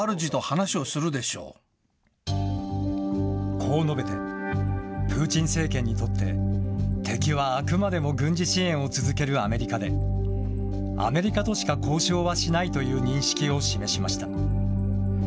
こう述べて、プーチン政権にとって、敵はあくまでも軍事支援を続けるアメリカで、アメリカとしか交渉はしないという認識を示しました。